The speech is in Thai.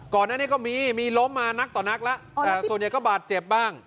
ก่อนหน้านี้ก็มีมีล้มมานักต่อนักแล้วแต่ส่วนใหญ่ก็บาดเจ็บบ้าง